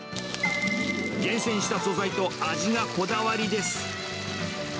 厳選した素材と味がこだわりです。